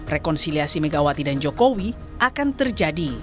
rekonsiliasi megawati dan jokowi akan terjadi